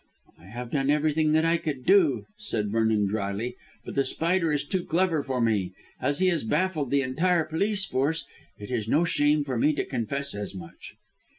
"I have done everything that I could do," said Vernon drily, "but The Spider is too clever for me. As he has baffled the entire police force it is no shame for me to confess as much."